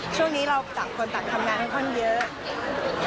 ช่วงนี้เราต่างคนต่างทำงานค่อนข้างเยอะ